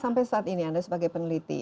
sampai saat ini anda sebagai peneliti